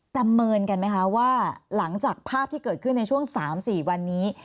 ประเมินกันไหมคะว่าหลังจากภาพที่เกิดขึ้นในช่วง๓๔วันนี้